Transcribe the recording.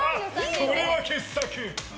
これは傑作！